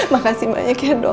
makasih banyak ya dok